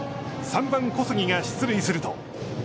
３番小杉が出塁すると。